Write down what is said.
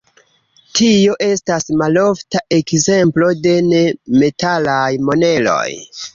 Tio estas malofta ekzemplo de ne-metalaj moneroj.